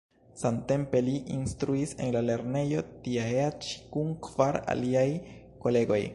Samtempe li instruis en la lernejo tiea ĉi kun kvar aliaj kolegoj.